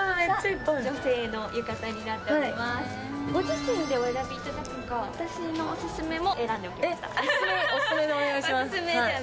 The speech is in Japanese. ご自身でお選びいただくか私のオススメも選んでいただけます。